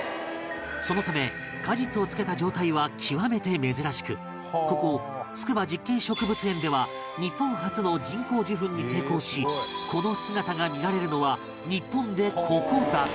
そのため果実をつけた状態は極めて珍しくここ筑波実験植物園では日本初の人工授粉に成功しこの姿が見られるのは日本でここだけ